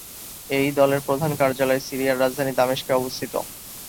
এই দলের প্রধান কার্যালয় সিরিয়ার রাজধানী দামেস্কে অবস্থিত।